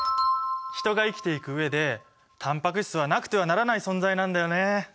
ヒトが生きていく上でタンパク質はなくてはならない存在なんだよね！